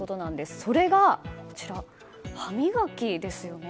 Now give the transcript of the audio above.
それが、歯磨きです。